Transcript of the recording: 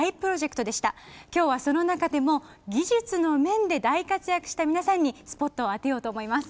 今日はその中でも技術の面で大活躍した皆さんにスポットを当てようと思います。